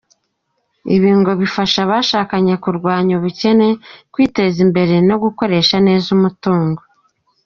Ibi ngo bifasha abashakanye, kurwanya ubukene, kwiteza imbere no gukoresha neza umutungo.